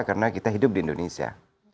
karena kita hidup di indonesia